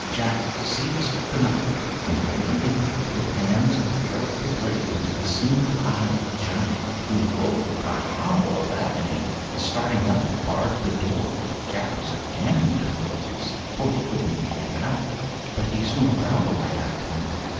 Jack seized the knife, and holding it with both his hands drove the blade into the single eye of the giant, who woke with a howl of agony, and starting up, barred the door. Jack was again in difficulties, for he couldn't get out, but he soon found a way out of them.